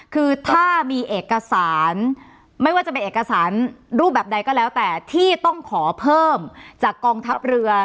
คือถ้ามีเอกสารไม่ว่าจะเป็นเอกสารรูปแบบใดก็แล้วแต่ที่ต้องขอเพิ่มจากกองทัพเรือ